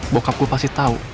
bokap gue pasti tau